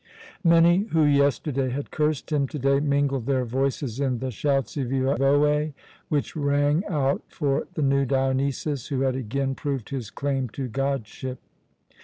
Many who yesterday had cursed him, to day mingled their voices in the shouts of "Evoë!" which rang out for the new Dionysus, who had again proved his claim to godship.